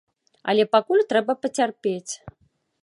Але пакуль трэба пацярпець.